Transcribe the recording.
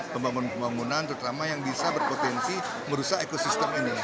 pembangunan pembangunan terutama yang bisa berpotensi merusak ekosistem ini